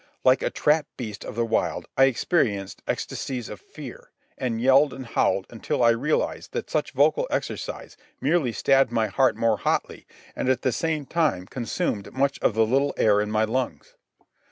Like a trapped beast of the wild, I experienced ecstasies of fear, and yelled and howled until I realized that such vocal exercise merely stabbed my heart more hotly and at the same time consumed much of the little air in my lungs.